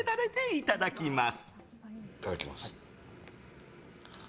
いただきます。